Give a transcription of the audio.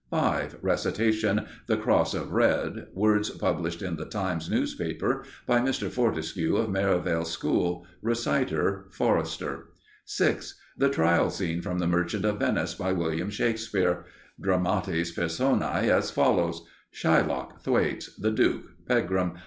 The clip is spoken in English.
5. Recitation, "The Cross of Red." Words (published in "The Times" newspaper) by Mr. Fortescue of Merivale School. Reciter, Forrester. 6. The Trial Scene from "The Merchant of Venice," by William Shakespeare. Dramatis Personæ as follows: Shylock. Thwaites. The Duke. Pegram.